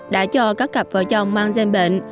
đã cho các cặp vợ chồng mang gian bệnh